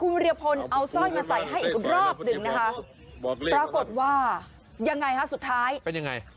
เป็นยังไง